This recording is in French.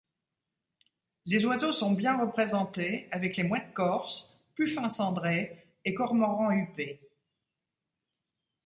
Les oiseaux sont bien représentés, avec les mouettes corses, puffins cendrés et cormorans huppés.